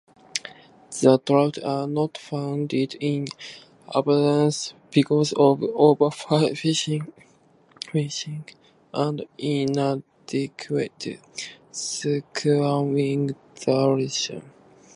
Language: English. The trout are not found in abundance because of overfishing and inadequate spawning duration.